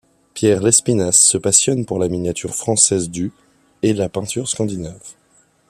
Pierre Lespinasse se passionne pour la miniature française du et la peinture scandinave.